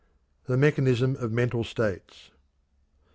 The Mechanism of Mental States.